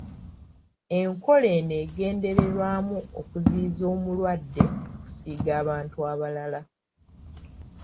Enkola eno egendererwamu okuziyiza omulwadde okusiiga abantu abalala.